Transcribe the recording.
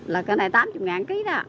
là cái này tám mươi ngàn một kg đó